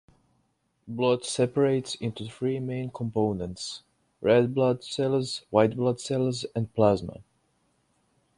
Blood separates into three main components: red blood cells, white blood cells, and plasma.